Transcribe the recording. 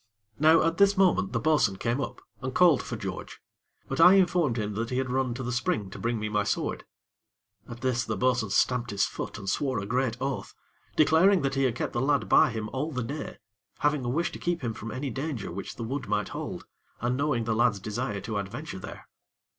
Now, at this moment, the bo'sun came up, and called for George; but I informed him that he had run to the spring to bring me my sword. At this, the bo'sun stamped his foot, and swore a great oath, declaring that he had kept the lad by him all the day; having a wish to keep him from any danger which the wood might hold, and knowing the lad's desire to adventure there.